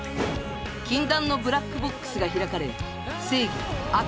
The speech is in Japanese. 禁断のブラックボックスが開かれ正義悪